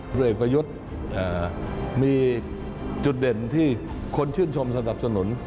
เอกประยุทธ์มีจุดเด่นที่คนชื่นชมสนับสนุน